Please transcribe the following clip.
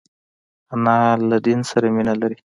انا له دین سره مینه لري